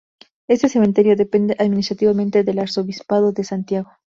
Este cementerio depende administrativamente del arzobispado de Santiago.